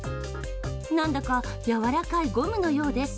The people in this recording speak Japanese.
何だか柔らかいゴムのようです。